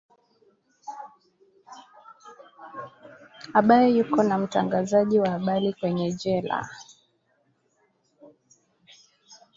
ambaye yuko na mtangazaji wa habari kwenye jela